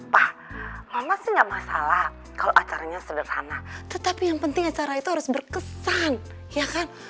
pak mama sih nggak masalah kalau acaranya sederhana tetapi yang penting acara itu harus berkesan ya kan